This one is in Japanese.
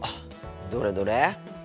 どれどれ？